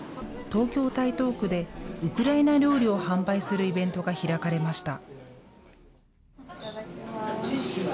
東京・台東区で、ウクライナ料理を販売するイベントが開かれました。